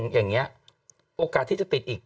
อย่างนี้โอกาสที่จะติดอีก